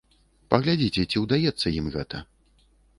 Паглядзіце ці ўдаецца ім гэта.